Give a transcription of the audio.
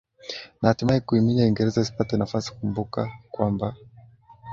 na hatimae kuiminya uingereza isipate nafasi kumbuka kwamba